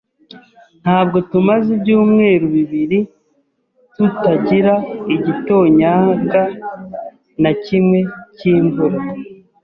Ntabwo tumaze ibyumweru bibiri tutagira igitonyanga na kimwe cyimvura.